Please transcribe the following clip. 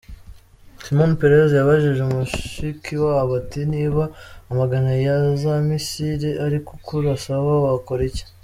Shimon Peres yabajije Mushikiwabo ati “Niba amagana ya za misile ari kukurasaho, wakora iki ?”.